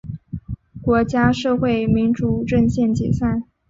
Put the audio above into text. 国家社会民主阵线解散。